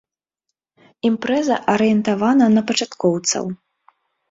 Імпрэза арыентавана на пачаткоўцаў.